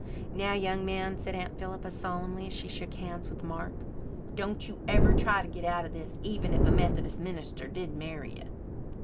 "Now, young man," said Aunt Philippa solemnly as she shook hands with Mark, "don't you ever try to get out of this, even if a Methodist minister did marry you."